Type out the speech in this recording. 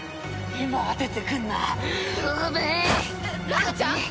今は出てくんな。